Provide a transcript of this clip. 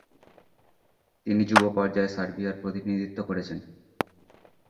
তিনি যুব পর্যায়ে সার্বিয়ার প্রতিনিধিত্ব করেছেন।